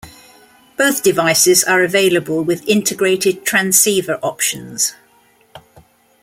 Both devices are available with integrated transceiver options.